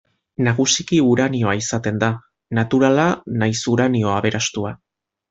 Nagusiki uranioa izaten da, naturala nahiz uranio aberastua.